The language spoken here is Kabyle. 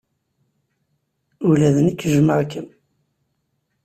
Ula d nekk jjmeɣ-kem.